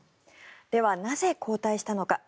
では、なぜ交代したのか。